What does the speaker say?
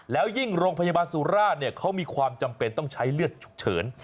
แล้วยิ่งโรงพยาบาลสุราชเขามีความจำเป็นต้องใช้เลือดฉุกเฉิน